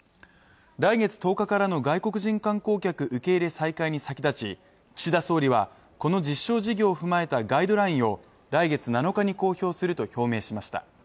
来月１０日からの外国人観光客受け入れ再開に先立ち岸田総理は、この実証事業を踏まえたガイドラインを来月７日に公表すると表明しました。